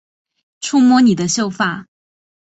触摸你的秀发